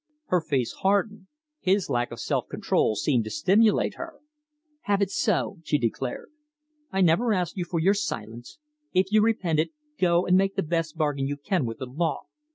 Her face hardened. His lack of self control seemed to stimulate her. "Have it so," she declared. "I never asked you for your silence. If you repent it, go and make the best bargain you can with the law.